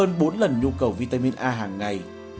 cung cấp hơn bốn lần nhu cầu vitamin a hàng ngày